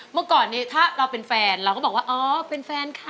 เมื่อก่อนนี้ถ้าเราเป็นแฟนเราก็บอกว่าอ๋อเป็นแฟนค่ะ